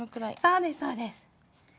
そうですそうです。